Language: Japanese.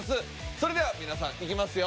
それでは皆さんいきますよ？